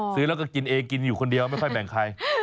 ซื้อแล้วก็กินเองกินอยู่คนเดียวไม่ค่อยแบ่งใคร